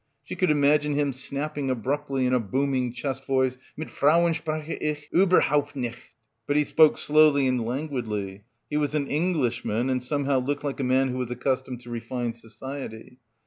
She could imagine him snapping abruptly in a booming chest voice, "Mit Frauen spreche ich uberhaupt nicht." But he spoke slowly and lauguidly, he was an Englishman and somehow looked like a man who was accustomed to refined society.